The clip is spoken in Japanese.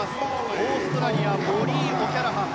オーストラリアモリー・オキャラハン。